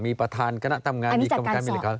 มีประธานคณะทำงานมีกรรมการมีอะไรครับ